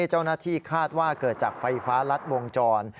เจ้าหน้าที่คาดว่าเกิดจากไฟฟ้ารัดวงจร